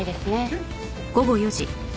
うん。